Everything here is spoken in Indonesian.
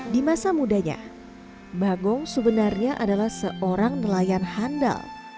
di masa mudanya bagong sebenarnya adalah seorang nelayan handal